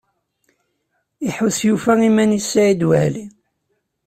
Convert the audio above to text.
Iḥuss yufa iman-is Saɛid Waɛli.